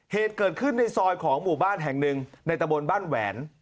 เหตุเกิดขึ้นในซอยของหมู่บ้านแห่งหนึ่งในตะบนบ้านแหวน